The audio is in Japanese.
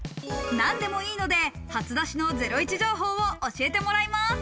何でもいいので初出しのゼロイチ情報を教えてもらいます。